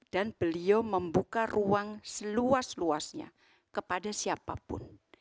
dan beliau membuka ruang seluas luasnya kepada siapapun